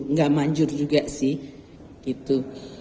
nggak manjur juga sih gitu